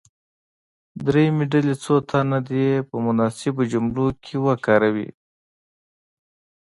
دریمې ډلې څو تنه دې په مناسبو جملو کې وکاروي.